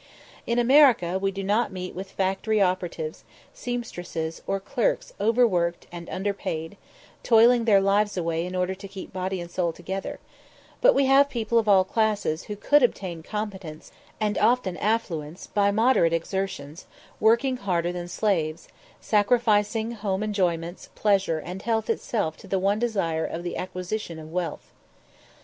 In America we do not meet with factory operatives, seamstresses, or clerks overworked and underpaid, toiling their lives away in order to keep body and soul together; but we have people of all classes who could obtain competence and often affluence by moderate exertions, working harder than slaves sacrificing home enjoyments, pleasure, and health itself to the one desire of the acquisition of wealth.